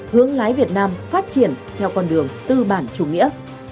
hướng lái việt nam phát triển theo con đường tư bản chủ nghĩa